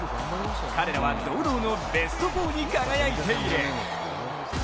彼らは堂々のベスト４に輝いている。